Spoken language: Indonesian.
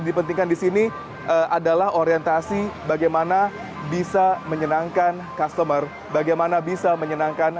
diperhatikan adalah orientasi bagaimana bisa menyenangkan customer bagaimana bisa menyenangkan